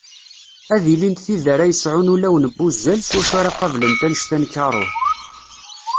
Ad ilint tid ara yesɛun ulawen n wuzzal s wacu ara qablent anect-a n karuh.